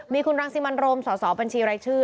มีคุณรังสิมันโรมสสบัญชีรายชื่อ